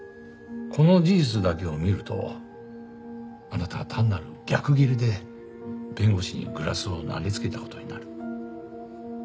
この事実だけを見るとあなたは単なる逆ギレで弁護士にグラスを投げつけた事になる。